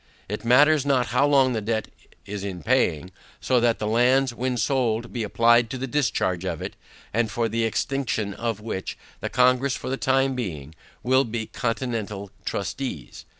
It matters not how long the debt is in paying, so that the lands when sold be applied to the discharge of it, and for the execution of which, the Congress for the time being, will be the continental trustees.